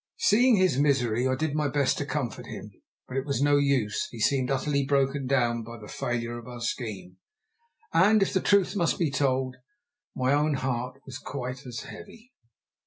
Seeing his misery, I did my best to comfort him; but it was no use. He seemed utterly broken down by the failure of our scheme, and, if the truth must be told, my own heart was quite as heavy.